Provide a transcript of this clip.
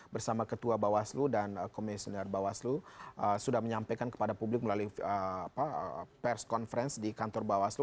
bersama ketua bawaslu dan komisioner bawaslu sudah menyampaikan kepada publik melalui pers conference di kantor bawaslu